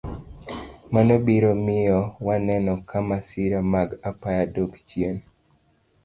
Mano biro miyo waneno ka masira mag apaya dok chien.